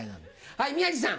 はい宮治さん。